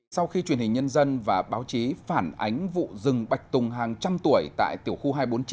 sau khi truyền hình nhân dân và báo chí phản ánh vụ rừng bạch tùng hàng trăm tuổi tại tiểu khu hai trăm bốn mươi chín